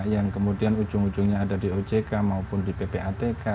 yang kemudian ujung ujungnya ada di ojk maupun di ppatk